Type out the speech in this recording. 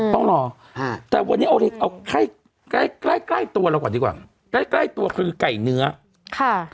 โป้งหน่อยใช่เอาแค่ใกล้ตัวเลยดีกว่าใกล้ตัวคือไก่เนื้อค่ะ